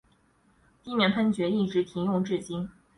地面喷泉一直停用至今。